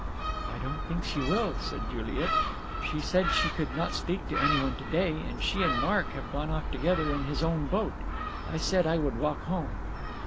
"I don't think she will," said Juliet. "She said she could not speak to anyone to day, and she and Mark have gone off together in his own boat. I said I would walk home."